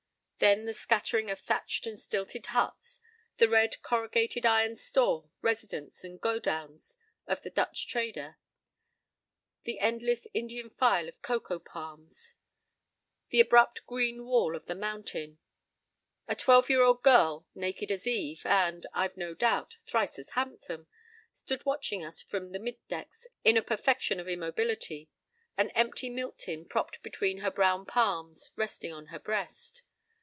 Then the scattering of thatched and stilted huts, the red, corrugated iron store, residence and godowns of the Dutch trader, the endless Indian file of coco palms, the abrupt green wall of the mountain.—A twelve year old girl, naked as Eve and, I've no doubt, thrice as handsome, stood watching us from the mid decks in a perfection of immobility, an empty milk tin propped between her brown palms resting on her breast.